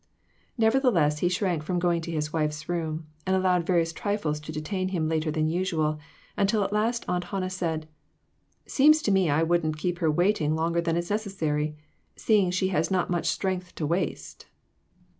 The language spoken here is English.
Nevertheless he shrank from going to his wife's room, and allowed various trifles to detain him later than usual, until at last Aunt Hannah said "Seems to me I wouldn't keep her wait ing longer than is necessary, seeing she has not much strength to waste."